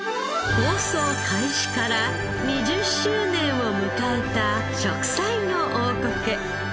放送開始から２０周年を迎えた『食彩の王国』。